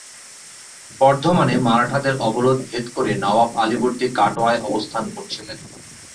বর্ধমানে মারাঠাদের অবরোধ ভেদ করে নবাব আলীবর্দী কাটোয়ায় অবস্থান করছিলেন।